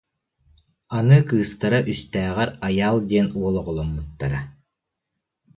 Аны кыыстара үстээҕэр Айаал диэн уол оҕоломмуттара